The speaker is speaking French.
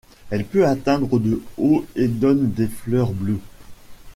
Elle peut atteindre de haut et donne des fleurs bleues.